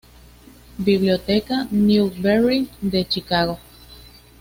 Biblioteca Newberry de Chicago.